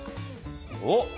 おっ！